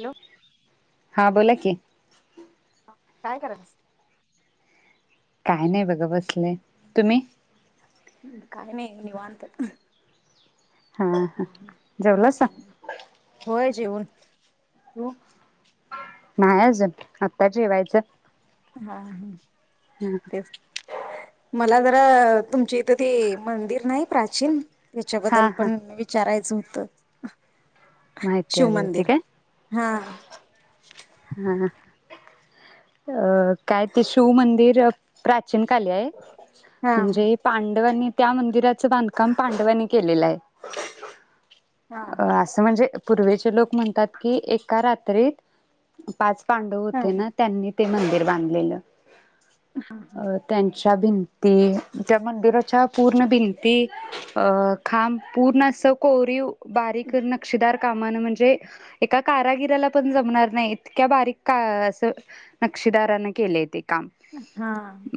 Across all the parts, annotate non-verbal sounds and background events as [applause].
Hello हा बोला की, काय कराल्यास काय नाय बघा बसले तुम्ही काय नाही निवांत हा हा जेवलासा होय जेवून. हो. नाय अजुन आत्ता जेवायचं हा हं तेच मला जरा तुमच्या इथं ते मंदिर नाही प्राचीन त्याच्याबद्दल हा हा पण विचारायचं हो त. माहिती हवी होती काय? हा हा हा अ काय ते शिवमंदिर प्रा चीन काली हाय, हा म्हणजे पांडवांनी त्या मंदिराचं बांधकाम पांडवांनी केलेलं हाय. हा अ असं म्हणजे पूर्वेचे लोक म्हणतात की, एका रात्रीत पाच पांडव होते ना हा त्यांनी ते मंदिर बांधलेलं. हा हा च्या भिंती त्या मंदिराच्या पूर्ण भिंती अ खांब पूर्ण अस कोरीव बारीक नक्षीदार कामान म्हणजे एका कारागीला पण जमणार नाहीत इतक्या बारीक का असं नक्षीदारांन केलय ते काम हा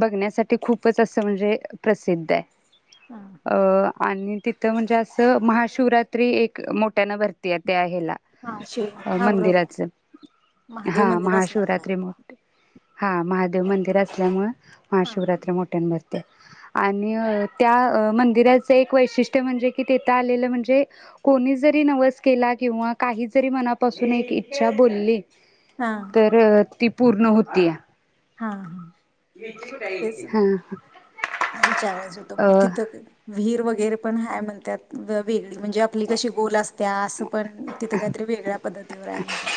बघण्यासाठ ते खूपच असं म्हणजे प्रसिद्ध हाय हा - अ आणि तिथं म्हणजे असं महाशिवरात्री एक, मोठ्यानं भरती या ते हाय तेला हा, शिव हा बरोबर आहे मंदिराच महादेव हा मंदिर असल्यामुळे. महाशिवरात्री मोठी,. हा महादेव मंदिर असल्यामुळें, हा महाशिवरात्र मोठ्यान भरत. [unintelligible] आणि त्या मंदिराचं एक वैशिष्ट्य म्हणजे की तिथं आलेलं म्हणजे कोणी जरी नवस केला, किंवा काही जरी मनापासून एक इच्छा बोलली हा तर ती पूर्ण होतीया. हा हा. तेच हा विचारायचं होतं तिथं अ विहीर वगैरे. वगैरे पण हाय म्हणतात वेगळी म्हणजे आपली कशी बोल असते. त्या असं पण तिथे काहीतरी वेगळ्या पद्धतीवर आहे म्हणतात..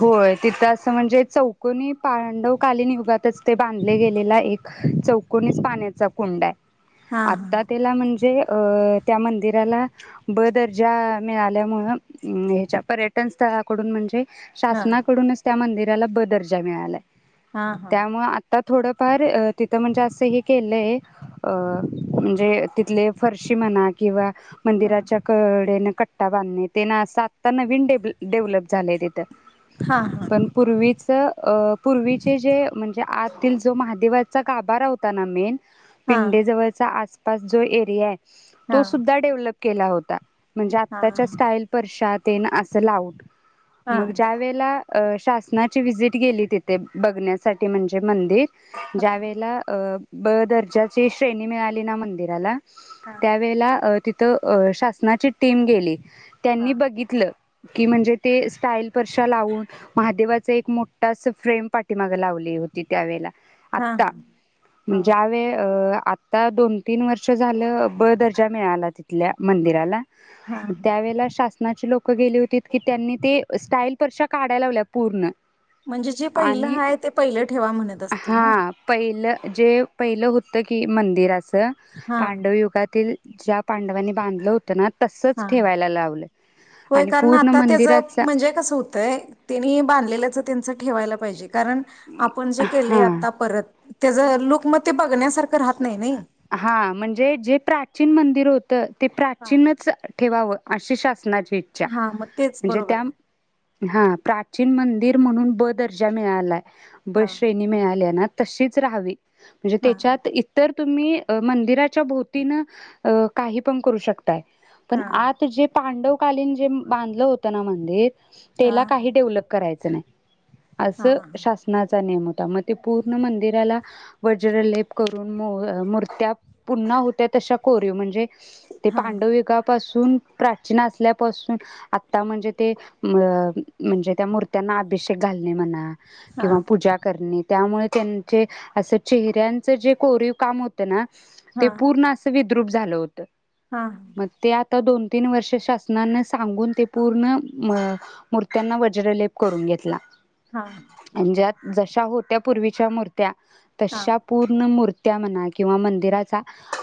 होय तिथं असं म्हणजे चौकोनी पांडवकालीन युगातच ते बांधले गेलेला एक चौकनीच पाण्याचा कुंडा आहे. हां आता त्यीला म्हणजे त्या मंदिराला ब दर्जा मिळाल्या मुळ ह्याच्या पर्यटन स्थळाकडून म्हणजे हां शासनाकडूनच त्यामध्ये त्याला ब दर्जा मिळाला. हा हा. आता थोडंफार तिथं म्हणजे असं हे केलंय अ म्हणजे तिथले फरशी म्हणा किंवा, हां मंदिराच्या कडे न, बांधणे ते ना आता नवीन डेव डेव्हलप झालंय तिथं. हां हां पण पूर्वीच. पूर्वीचे जे म्हणजे आतील जो महादेवाचा गाभारा होता ना मेन, हां पिंडे जवळचा आज पास जो एरिया आहे, तो हां सुद्धा डेव्हलप केला होता त्याच्या हां स्टाईल पशात, ते ना असं लाउट. मगं हां ज्या वेळेला शासनाची व्हिजिट गेली तिथे बघण्यासाठी म्हणजे मंदिर ज्या हां वेळेला अ ब दर्जाची श्रेणी मिळाली ना मंदिराला हां त्यावेळेलाि तर शासनाची टीम गेली. त्यांनी बघितलं. की म्हणजे ते स्टाईल परशा लावून महादेवाचा एक मोठा फ्रेम पाठीमाग लावली होती. त्यावेेला हां हां आत्ता हां ज्या वेळ आत आता दोन तीन वर्ष झालं ब दर्जा मिळाला तिथल्या मंदिराला हा त्यावेेळेला शासनाची लोक गेली होतीत की त्यांनी ते स्टाईल फरश्या काढाय लावल्या पूर्ण म्हणजे जे पहिलं आणि हाय ते पहिलं ठेवा म्हणत असतील ना हा पहिलं जे पहिलं होतं की मंदिर असं. हां पांडव युगातील ज्या पांडवांनी बांधलं होत ना तस हा होय कारण पूर्ण आता त्याच मंदिराचा म्हणजे कस होतंय त्यांनी बांधलेल्याच त्यांच ठेवायला पाहिजे. कारण आपण जे केलय हा आता परत त्याज लुक मग ते बघण्यासारखं राहत नाय नाही. हा म्हणजे जे प्राचीन मंदिर होत. तर ते हा प्राचीनच ठेवावं. अशी शासनाची ईच्छा हा मग तेच म्हणजे बरोबर त्या आहे हा प्राचीन मंदिर म्हणून ब दर्जा मिळालाय. हा बस श्रेणी मिळाल्या नात तशीच रहावी. म्हणजे हा त्याच्यात इतर तुम्ही मंदिराच्या भोवतीनं काही पण करू शक काय पण हा आत जे पांडव कालीन जे बांधलं होतं ना मंदिर हा त्याला काही डेव्हलप करायचं नाय. हा असं शासनाचा नियम होता म पूर्ण मंदिराला वज्रलेप करून म मूर्ती त्या पुन्हा होत्या तशा कोरीव म्हणजे ते हा हा पांडविका पाासून प्रा असल्यापासून आता म्हणजे ते अ म्हणजे त्या मूर्त्यांना अभिषेक घालणे म्हणा हा किंवा पूजा करणे त्यामुळे त्यांचे असं चेहऱ्यांचं जे कोरीव काम होत तर ना ते हा पूर्ण असविद द्रूप झालं होतं हा मग त्यात दोन तीन वर्ष शासनान सांगून ते पूर्ण मूर्त्यांना वज्रलेप करून घेतला. हा अंजात जशा होत्या पूर्वीच्या मूर्त्या तशा पूर्ण मूर त्या [unintelligible] किंवा मंदिराचा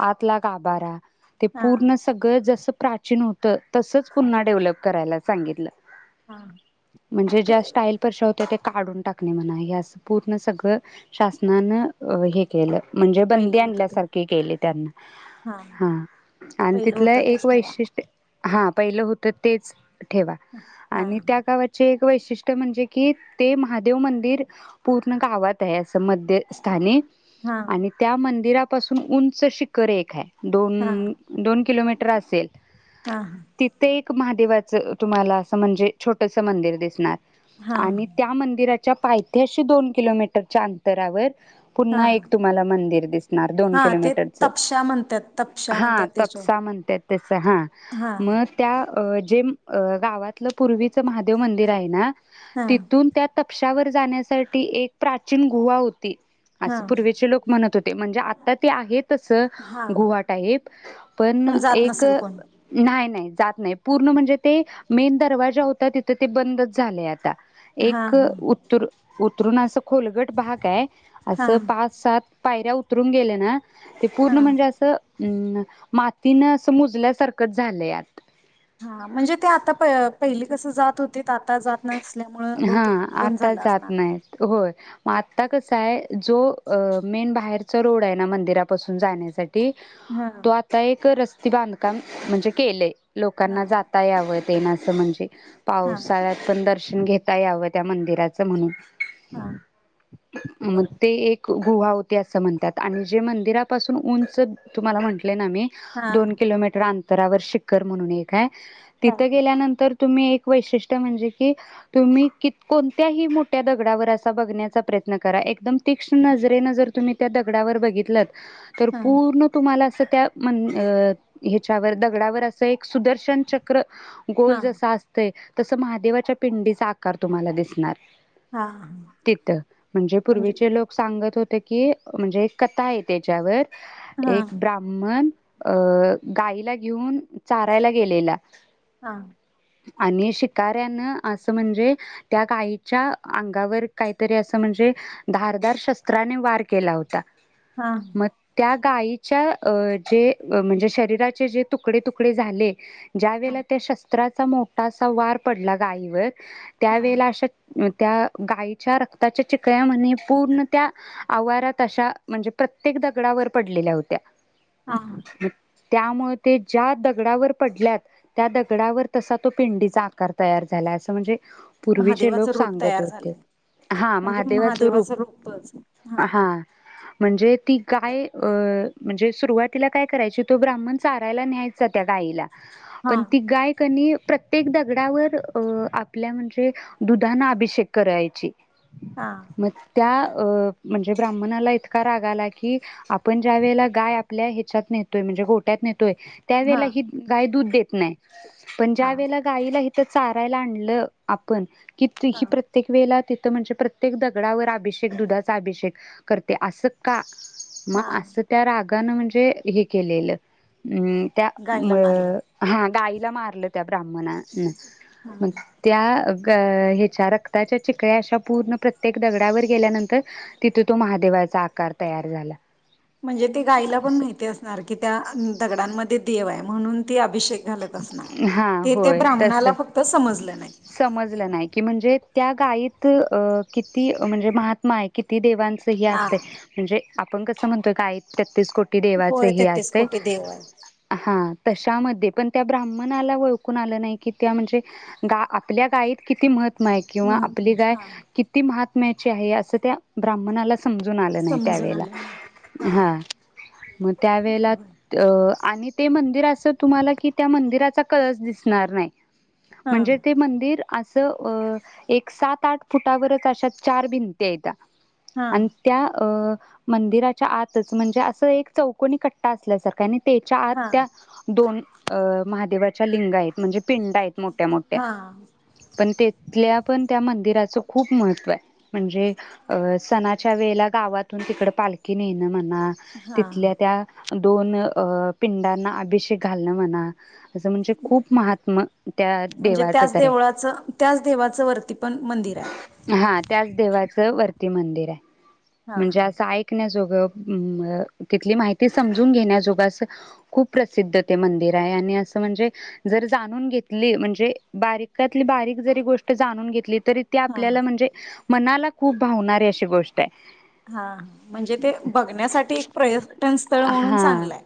आतला गाभारा ते हा पूर्ण सगळं जस प्राचीन होतं तसंच पुन्हा डेव्हलप करायला सांगितलं. हा म्हणजे ते ज्या स्टाईल फरशा होत्या काढून टाकणे म्हणा हे आस पूर्ण सगळं शासनानं हे केलं म्हणजे बंदी पहिलं होतं ते आणल्यासारख केले त्यांना हा हा आणि पहिलं तिथलं होतं एक तेच ठेवा वैशिष्ट्य हा पहिलं होतं तेच ठेवा हा हा आणि त्या गावाचे वैशिष्ट्य म्हणजे कि ते महादेव मंदिर पूर्ण गावात आहे असं मध्यस्थानी हा. आणि त्या मंदिरापासून उंच शिखर एक आहे. दोन हा दोन किलोमीटर मीटर आसेल तिथे एक महा देवाच तुम्हाला असं म्हणजे छोटस मंदिर दिसणार हा आणि त्या मंदिरा च्या पायथ्याशी दोन किलोमीटरच्या अंतरावर पुन्हा हा एक तुम्हाला मंदी विहिर दिसणार दोन हा ते किलोमीटर च तपशा म्हणतात तपशा हा म्हणतात तपसा त्याच्यावर म्हणत्यात तेच हा हा मग त्या जे गावातलं पूर्वीच महादेव मंदिर आहे ना? हा तिथून त्या तपशी त्यावर जाण्यासाठी एक प्राचीन गुव्हा हो ती हा आसं पूर्वीची लोक म्हणत ती म्हणजे आता ते आहेत तस हा गुव्हा टाईप पण जात एक नसेल कोण नाही नाही जात नाही पूर्ण म्हणजे ते मेन दरवाजा होता तिथं ते बंदच झालंय आता. हा एक हा उत्तूर उतरून आसं खोलगट भाग आहे. हा असं पाच सात पायऱ्या उतरून गेल्या ना ते पूर्ण हा म्हणजे असं. अम् मातीन असं मुजल्यासारखंच झालंय आत कस जात हो तिथे जात नसल्यामुळे हा बहुतेक बंद आता झालं जात असणार. नाहीत होय मग आता कसा आहे, जो मेन बाहेरचा रोड आहे ना मंदिरापासून जाण्यासाठी हा तो आता एक रस् ते बांधकाम म्हणजे केलंय. हा लोकांना जाता यावं. ते ना असं म्हणजे पाऊस, हा पावसाळ्यात पण दर्शन घेता यावं, त्या मंदिराचं म्हणून हा मग ते एक गुहा हो ते असं म्हणतात. आणि जे मंदिरापासून उंच तुम्हाला म्हण. आलेना मी, हा दोन किलो मीटर अंतर तरावर शिखरं म्हणून एक आहे. हा तिथं गेल्यानंतर तुम्ही एक वैशिष्ट म्हणजे की तुम्ही कोणत्याही मोठ्या दगडावर असा बघण्याचा प्रयत्न करा. एकदम तीक्ष्ण नजरेन जर तुम्ही त्या दगडावर बघितल. तर हा पूर्ण तुम्हाला अस. त्या म ह्याच्यावर दगडावर असं एक सुदर्शन चक्र, गोल हा जसा असते. तसं महादेवाच्या पिंडीचा आकार तुम्हाला दिसणार. हा तिथं म्हणजे पूर्वीचे लोक सांगत होते. की म्हणजे एक कथा आहे त्याच्यावर हा एक ब्राहमण अ गाईला घेऊन, चारायला गेलेला. हा.. अने श- कार्यान असं म्हणजे त्या गायच्या अंगावर, काहीतरी असं म्हणजे धारधार शस्त्राने वार केला होता. हा म त्या- गायच्या जे म्हणजे शरीराचे जे तुकडे - तुकडे झाले, ज्या वेळेला हा त्या शस्त्रात- मोठा असा वार.. पडला गाईवर... त्या हा वेळेला अशा- त्या गायीच्या रक्ताच्या चिकळ्या म्हने पूर्ण त्या आवारात अशा म्हणजे प्रत्येक दगडावर पडलेल्या होत्या. हा ह मग त्यामुळे ते ज्या दगडावर पडल्यात त्या दगडावर तसा तो पेंडीचा आकार तयार झाला असं म्हणजे पूर्वीचे महादेवाचं लोक रूप सांगत तयार होते झालंय हा महादेवाचं रूप हा. म्हणजे ती गाय अ म्हणजे सुरुवातीला काय करायची तो ब्राह्मण चारायला न्यायचा त्या गायीला हा पण ती गायकनी प्रत्येक दगडावर अ आपल्या म्हणजे दुधाने अभिषेक करायची हा मग त्या अ म्हणजे ब्राह्मणाला इतका राग आला की आपण ज्या वेळेला गाय आपल्या ह्याच्यात नेतोय म्हणजे गोट्यात नेतो त्या हा वळेला ही गाय दूध देत नाही पण हा ज्या वेळेला गाईला तर चारायला आणलं आपण की हा तीही प्रत्येक वेला ति म्हणजे प्रत्येक दगडावर अभिषेक दुधाचा अभिषेक करते असं का? हा मग अस त्या राग दका म्हणजे हे केलेलं हम्म त्या गायला मारले हा गाय मारलं त्या ब्राम्हनाणे. हा मग त्या अ ह्याच्या रक्ताच्या चिकळ्या अशा पूर्ण प्रत्येक दगडावर गेल्यानंतर तिथे तो महादेवाचा आकार तयार झाला म्हणजे ते गाईला पण अस माहिती असणार की त्या दगडांमध्ये देव आहे म्हणून अभिषेक घालत असणार हा ते त्या होय ब्राह्मणाला तसच फक्त समजलं नाही. समजलं नाही की म्हणजे त्या गायीत किती म्हणजे महात्मा आहे किती देवां सही हा असतय म्हणजे. आपण कसं म्हणतोय गाईत तेहतीस कोटी देवाचे होय हे तेहतीस असतय कोटी देव आहे हा तशामध्ये पण त्या ब्रम्हणाला ओळखून आलं नाही की त्या म्हणजे गा आपल्या गायत किती मह किंवा आपली महात्मा गाय हा किती महा आहे असं त्या ब्राम्हणाला समजून आलं नाही त्या समजून वेळेला आलं नाही हा मग त्या वेळेला बरोबर आणि ते मंदिर असं तुम्हाला कि त्या मंदिराचा कळस दिसणार नाही हा म्हणजे ते मंदिर असं अ एक सात आठ फुटावरच अशा चार भिंत्या येत्या हा आणि त्या अ मंदिराच्या आतच म्हणजे अस एक चौकनी कट्टा असल्यासारख्या त्याच्या आत हा त्या दोन अ महादेवाच्या लिंगा आहेतः पिंडा आहेत मोठ्या मोठ्या हा पण ते तिथल्या गावातून पण त्या मंदिराचं खूप महत्व आहे म्हणजे अ सणाच्या वेळेला गावातून तिकड पालखी नेणं म्हण हा हा तिथल्या त्या दोन अ पिंडांना अभिषेक घालण म्हणा हा म्हणजे देवाचं त्याच तर देवळाचं त्याच देवाचं वरती पण मंदिर आहे त्याच देवाचं वरती मंदिर आहे हा म्हणजे असं ऐकण्या जोग तिथली माहिती समजून घेण्याजोग असं खूप प्रसिद्ध मंदिर म्हणजे जरी जाणून घेतली म्हणजे त्यातली बारीक जरी गोष्ट जाणून घेतली तरी ते हा आपल्याला म्हणजे मनाला खूप भावणारी अशी गोष्ट आहे हा म्हणजे ते बघण्यासाठी एक प्रयत्न पर्यटनासाठी पण हा चांगला आहे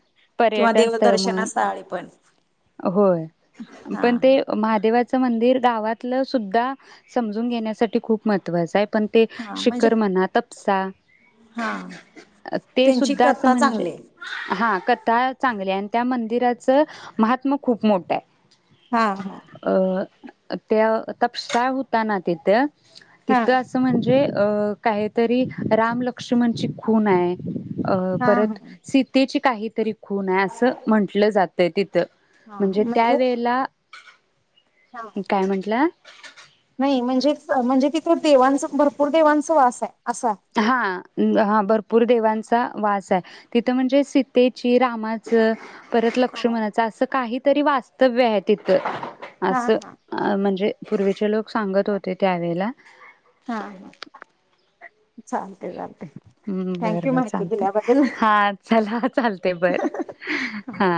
किंवा पर्यटन स्थळ म्हणून देवदर्शनसाठी होय पण ते महादेवाच मंदिर गावातलं सुद्धा समजून घेण्यासाठी खूप महत्त्वाचं आहे पण ते हा म्हणजे शिखर म्हणत उपसा हा ते त्यांची सुद्धा अस कथा म्हणजे चांगली आहे. हा कथा चांगलीये आणि त्या मंदिराच महत् त्व खूप मोठं आहे. हा हा अ त्या तपसा होता ना तिथ हा तिथं असं म्हणजे अ काहीतरी रामलक्ष्मणची खून आहे. अ हा हा परत सीतेची काहीतरी खुण हाय असं म्हंटलं जात ते तिथ म्हणजे त्या वेळेला हा काय म्हंटला? नाही म्हणजेच म्हणजे ति पूर देवांच भरपूर देवांच वास हाय हा हा भरपूर देवांच वास हाय तिथं म्हणजे सीतेची रामाचं परत हा लक्षुमणाच असं काही तरी वास्तव्य आहे तिथं हा असं हा अ म्हणजे पूर्वीचे लोक सांगत होते त्यावेेळेला हा हा चालते चालते हम् बरं थँक्यू बर माहिती चालतय दिल्याबद्दल हा चला चालतय बर हा